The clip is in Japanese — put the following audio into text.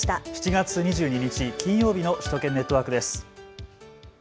７月２２日、金曜日の首都圏ネットワークです。